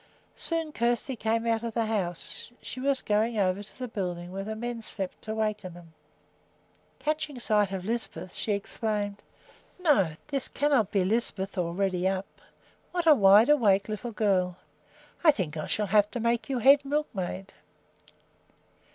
Soon Kjersti came out of the house. She was going over to the building where the men slept to waken them. Catching sight of Lisbeth, she exclaimed: "No! this cannot be Lisbeth already up. What a wide awake little girl! I think I shall have to make you head milkmaid."